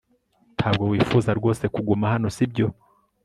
Ntabwo wifuza rwose kuguma hano sibyo